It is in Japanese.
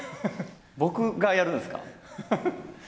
僕がやるんですか？